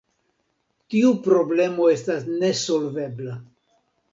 Tiu problemo estas nesolvebla.